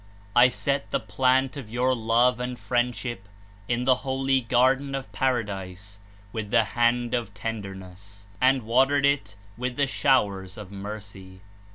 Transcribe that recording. I set the plant of your love and friendship in the holy Garden of Para dise with the hand of Tenderness, and watered it with the showers of Mercy.